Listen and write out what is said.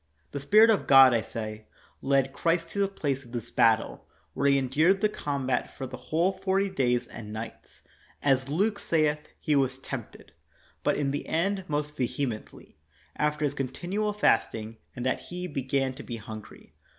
The Spirit of God, I say, led Christ to the place of this battle, where He en dured the combat for the whole forty days and nights. As Luke saith, "He was tempted,' ' but in the end most vehemently, after His continual fasting, and that He began to be hungry.